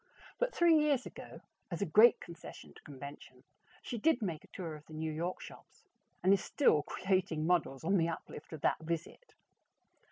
But three years ago, as a great concession to convention, she did make a tour of the New York shops, and is still creating models on the uplift of that visit.